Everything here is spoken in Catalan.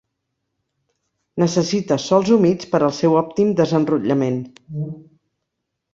Necessita sòls humits per al seu òptim desenrotllament.